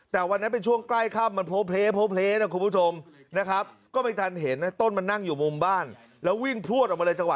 แต่วันนั้นเป็นช่วงใกล้ข้ามมันโพล่เพลนะครับคุณผู้ชม